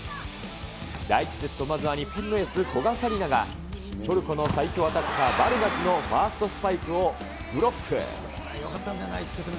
第１セット、まずは日本のエース、古賀紗理那が、トルコの最強アタッカー、バルガスのファーストスパイクをブロック。